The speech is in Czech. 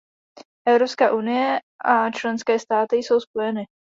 Evropská unie a členské státy jsou spojeny.